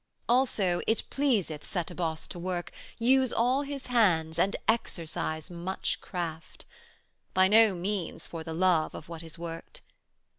Also it pleaseth Setebos to work, 185 Use all His hands, and exercise much craft, By no means for the love of what is worked.